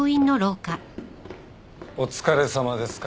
お疲れさまです